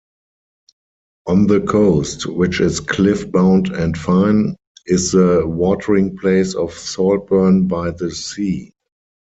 On the coast, which is cliff-bound and fine, is the watering-place of Saltburn-by-the-Sea.